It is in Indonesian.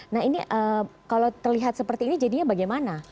nah ini kalau terlihat seperti ini jadinya bagaimana